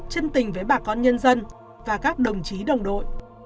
chân tình với bà con nhân dân và các đồng chí đồng đội